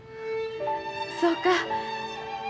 そうか。